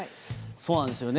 そうなんですよね。